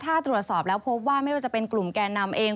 ถ้าตรวจสอบแล้วพบว่าไม่ว่าจะเป็นกลุ่มแก่นำเอง